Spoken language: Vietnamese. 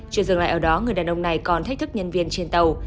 chưa dừng lại ở đó người đàn ông này còn thách thức nhân viên trên tàu